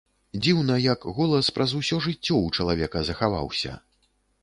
Дзіўна, як голас праз усё жыццё ў чалавека захаваўся.